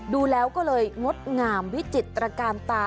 ดูแล้วก็เลยงดงามวิจิตรการตา